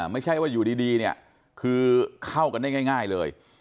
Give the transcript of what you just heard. ไม่ใช่ว่าอยู่ดีเนี่ยคือเข้ากันได้ง่ายเลย